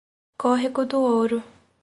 Córrego do Ouro